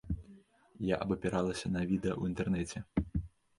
Я абапіралася на відэа ў інтэрнэце.